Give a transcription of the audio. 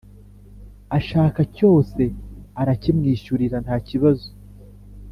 ashaka cyose arakimwishyurira ntakibazo.